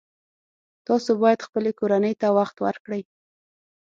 تاسو باید خپلې کورنۍ ته وخت ورکړئ